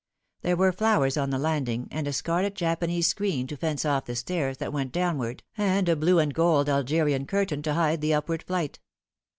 There were flowers on the landing, and a scarlet Japanese screen to fence off the stairs that went downward, and a blue and gold Algerian curtain to hide the upward flight.